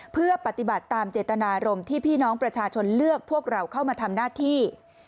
เพื่อปฏิบัติตามเจตนารมณ์ที่พี่น้องประชาชนเลือกพวกเราเข้ามาทำหน้าที่